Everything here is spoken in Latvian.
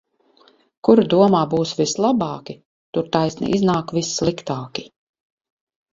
Kur domā būs vislabāki, tur taisni iznāk vissliktāki.